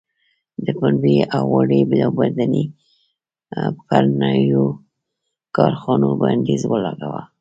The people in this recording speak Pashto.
د پنبې او وړۍ اوبدنې پر نویو کارخونو بندیز ولګاوه.